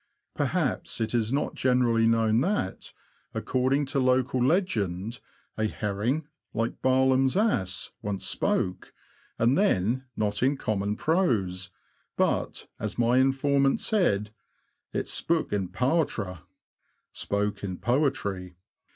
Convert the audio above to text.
Perhaps it is not generally known that, according to local legend, a herring, like Baalam's ass, once spoke, and then not in common prose, but, as my informant said, " it spook in powertra " (spoke in 104 THE LAND OF THE BROADS. poetry).